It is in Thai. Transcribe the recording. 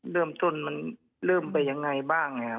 เริ่มต้นมันเริ่มไปยังไงบ้างนะครับ